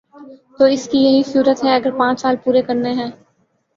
تو اس کی یہی صورت ہے اگر پانچ سال پورے کرنے ہیں۔